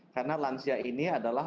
karena lansia ini adalah